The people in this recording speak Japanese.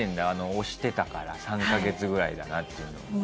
推してたから３カ月ぐらいだなっていうのも。